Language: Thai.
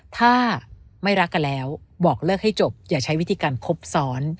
ถ้าไม่รักกันแล้วบอกเลิกให้จบอย่าใช้วิธีการครบซ้อน